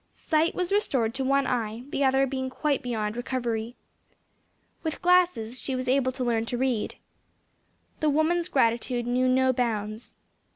Sight was restored to one eye, the other being quite beyond recovery. With glasses she was able to learn to read. The woman's gratitude knew no bounds.